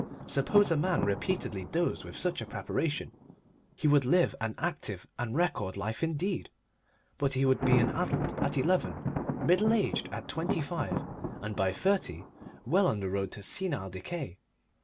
Suppose a man repeatedly dosed with such a preparation: he would live an active and record life indeed, but he would be an adult at eleven, middle aged at twenty five, and by thirty well on the road to senile decay.